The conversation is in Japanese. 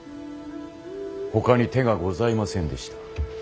ほかに手がございませんでした。